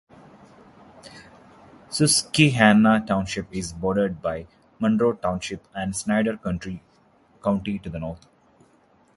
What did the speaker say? Susquehanna Township is bordered by Monroe Township and Snyder County to the north.